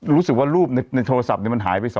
รู้สึกว่ารูปในโทรศัพท์มันหายไป๒